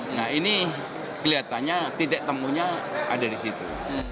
nah ini kelihatannya titik temunya ada di situ